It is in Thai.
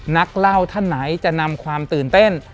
นักเล่าท่านไหนจะนำความตื่นเต้น